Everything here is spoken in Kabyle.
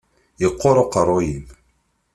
Yeqquṛ uqeṛṛu-yim.